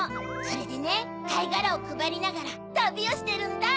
それでねかいがらをくばりながらたびをしてるんだ！